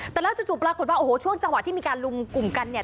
แต่แล้วจู่ปรากฏว่าโอ้โหช่วงจังหวะที่มีการลุมกลุ่มกันเนี่ย